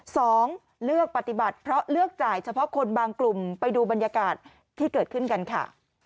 เลือกปฏิบัติเพราะเลือกจ่ายเฉพาะคนบางกลุ่มไปดูบรรยากาศที่เกิดขึ้นกันค่ะ